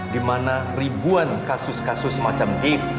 dimana ribuan kasus kasus macam dave